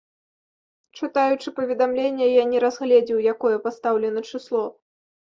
Чытаючы паведамленне, я не разгледзеў, якое пастаўлена чысло.